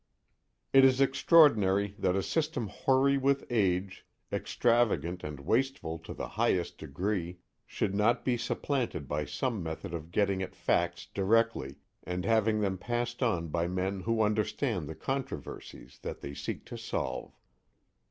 2 It is extraordinary that a system hoary with age, extravagant and wasteful to the highest degree, should not be supplanted by some method of getting at facts directly, and having them passed on by men who understand the controversies that they seek to solve.